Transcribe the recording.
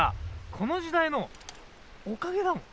この時代のおかげだもん。